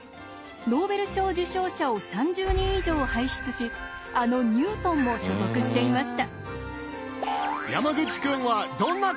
ノーベル賞受賞者を３０人以上輩出しあのニュートンも所属していました。